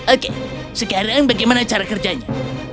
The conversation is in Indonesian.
oke sekarang bagaimana cara kerjanya